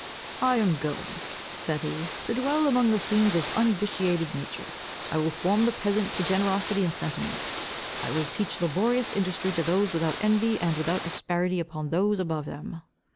"I am going," said he, "to dwell among scenes of unvitiated nature. I will form the peasant to generosity and sentiment. I will teach laborious industry to look without envy and without asperity upon those above them.